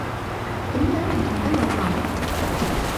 點解唔同得我講